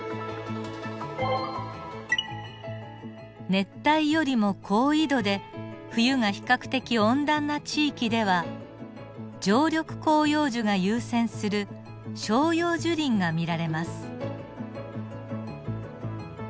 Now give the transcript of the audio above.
熱帯よりも高緯度で冬が比較的温暖な地域では常緑広葉樹が優占する照葉樹林が見られます。